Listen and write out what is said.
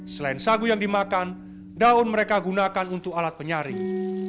selain sagu yang dimakan daun mereka gunakan untuk alat penyaring